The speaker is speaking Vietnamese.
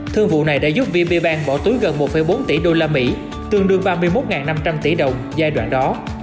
thương vụ này đã giúp vb ban bỏ túi gần một bốn tỷ usd tương đương ba mươi một năm trăm linh tỷ đồng giai đoạn đó